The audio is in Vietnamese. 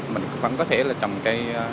mình vẫn có thể trồng cây